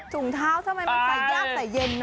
ถุงเท้าทำไมมันใส่ยากใส่เย็น